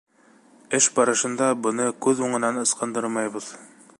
Эш барышында быны күҙ уңынан ысҡындырмайбыҙ.